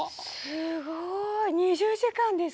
すごい２０時間ですか。